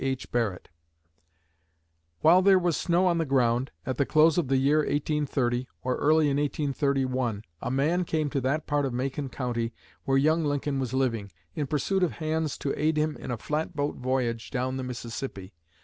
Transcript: H. Barrett: "While there was snow on the ground, at the close of the year 1830, or early in 1831, a man came to that part of Macon County where young Lincoln was living, in pursuit of hands to aid him in a flatboat voyage down the Mississippi.